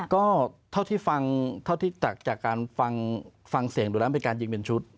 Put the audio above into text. ก็เท่าที่ฟังเท่าที่จากการฟังเสียงดูแล้วเป็นการยิงเป็นชุด